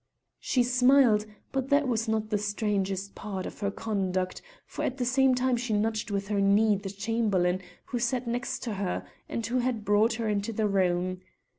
She smiled, but that was not the strangest part of her conduct, for at the same time she nudged with her knee the Chamberlain who sat next to her, and who had brought her into the room.